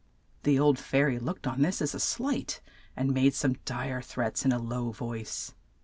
The old fai ry looked on this as a slight, and made some dire threats in a low voice.